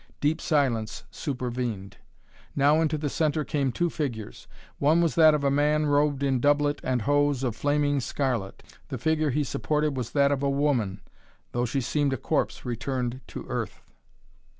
Deep silence supervened. Now into the centre came two figures. One was that of a man robed in doublet and hose of flaming scarlet. The figure he supported was that of a woman, though she seemed a corpse returned to earth.